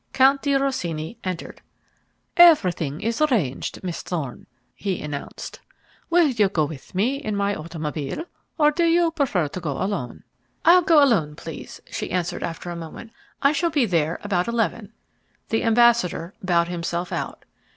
Count di Rosini entered. "Everything is arranged, Miss Thorne," he announced. "Will you go with me in my automobile, or do you prefer to go alone?" "I'll go alone, please," she answered after a moment. "I shall be there about eleven." The ambassador bowed himself out.